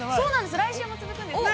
◆来週も続くんですよね。